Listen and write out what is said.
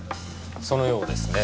そのようですね。